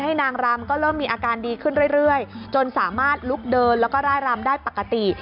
นางรำก็เริ่มมีอาการดีขึ้นเรื่อยจนสามารถลุกเดินแล้วก็ร่ายรำได้ปกติ